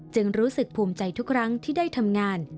รู้สึกภูมิใจทุกครั้งที่ได้ทำงาน